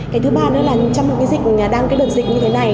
cái thứ ba nữa là trong một cái dịch đang cái đợt dịch như thế này